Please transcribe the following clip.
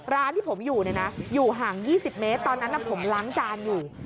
ร้านที่ผมอยู่เนี่ยนะอยู่ห่าง๒๐เมตรตอนนั้นผมล้างจานอยู่